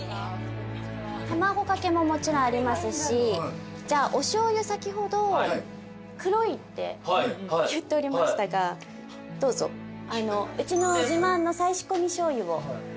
たまごかけももちろんありますしお醤油先ほど黒いって言っておりましたがどうぞうちの自慢の再仕込み醤油をお味見。